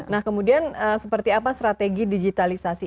nah kemudian seperti apa strategi digitalisasi